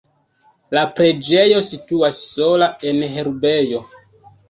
La preĝejo situas sola en herbejo.